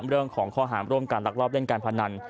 เรื่องของข้อหารร่วมกันลักลอบเล่นการพนัน